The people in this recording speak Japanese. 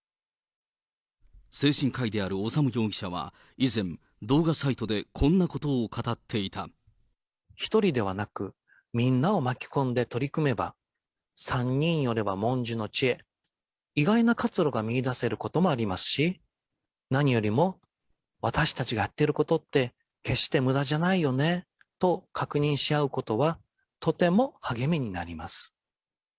精神科医である修容疑者は以前、動画サイトでこんなことを語一人ではなく、みんなを巻き込んで取り組めば、三人寄れば文殊の知恵、意外な活路が見いだせることもありますし、何よりも、私たちがやってることって決してむだじゃないよねと確認し合うことは、とても励みになります。